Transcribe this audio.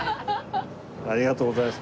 ありがとうございます。